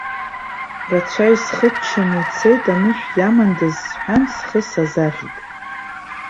Рацәа исхыччаны ицеит, анышә иамандаз, сҳәан, схы сазаӷьит.